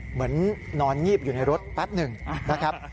นอนงีบอยู่ในรถแป๊บหนึ่งนะครับ